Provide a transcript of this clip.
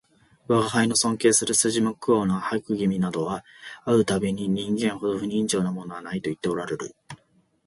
吾輩の尊敬する筋向こうの白君などは会う度毎に人間ほど不人情なものはないと言っておらるる